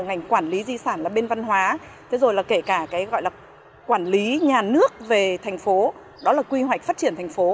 ngành quản lý di sản là bên văn hóa thế rồi là kể cả cái gọi là quản lý nhà nước về thành phố đó là quy hoạch phát triển thành phố